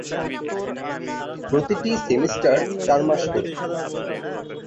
প্রতিটি সেমিস্টার চার মাস করে।